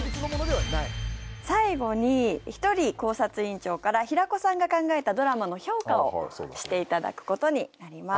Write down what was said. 最後にひとり考察委員長から平子さんが考えたドラマの評価をして頂く事になります。